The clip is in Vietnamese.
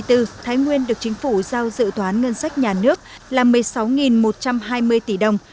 năm hai nghìn hai mươi bốn thái nguyên được chính phủ giao dự toán ngân sách nhà nước là một mươi sáu một trăm hai mươi tỷ đồng